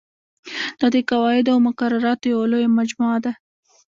دا د قواعدو او مقرراتو یوه لویه مجموعه ده.